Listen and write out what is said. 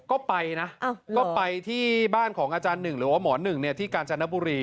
ก็ไปนะก็ไปที่บ้านของอาจารย์หนึ่งหรือว่าหมอหนึ่งที่กาญจนบุรี